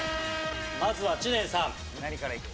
まずは知念さん。